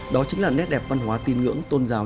đó chính là nét đẹp văn hóa tin ngưỡng tôn giáo